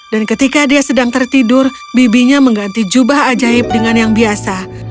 dan ketika dia sedang tertidur bibinya mengganti jubah ajaib dengan yang biasa